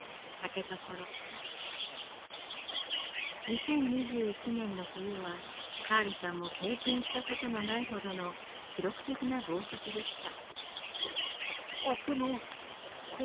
２０２１年の冬はカールさんも経験したことのないほどの記録的な豪雪でした。